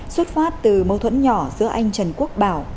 xuất phát từ mâu thuẫn nhỏ giữa anh trần quốc bảo